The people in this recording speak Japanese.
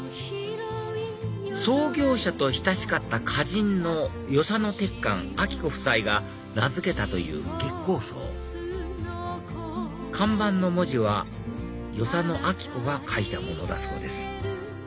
創業者と親しかった歌人の与謝野鉄幹晶子夫妻が名付けたという月光荘看板の文字は与謝野晶子が書いたものだそうです